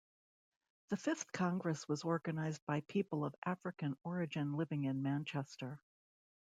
The fifth congress was organized by people of African origin living in Manchester.